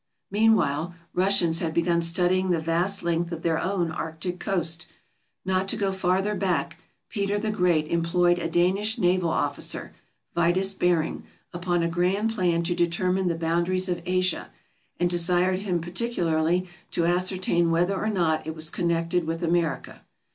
Meanwhile Russians had begun studying the vast length of their own arctic coast. Not to go farther back, Peter the Great employed a Danish naval officer, Vitus Bering, upon a grand plan to determine the boundaries of Asia, and desired him particularly to ascertain whether or not it was connected with America.